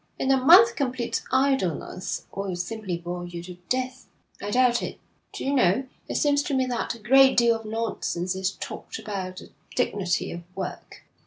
'In a month complete idleness will simply bore you to death.' 'I doubt it. Do you know, it seems to me that a great deal of nonsense is talked about the dignity of work.